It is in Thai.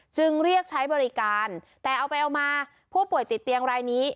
จึงเรียกใช้บริการแต่เอาไปเอามาผู้ป่วยติดเตียงรายนี้